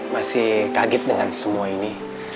masih kaget dengan semua ini